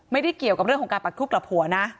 ไม่ได้เกี่ยวกับเรื่องของการปักทุบกลับหัวนะ